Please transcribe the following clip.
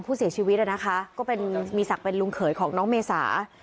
ผู้เสียชีวิตนะคะก็เป็นมีศักดิ์เป็นลุงเขยของน้องเมษา